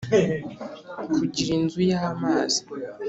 kugira inzu y'amazi.